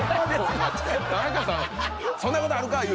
田中さん「そんなことあるかい」